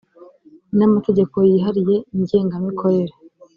n amategeko yihariye ngenga mikorere